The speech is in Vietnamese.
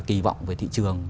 kỳ vọng về thị trường